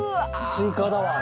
スイカだわ。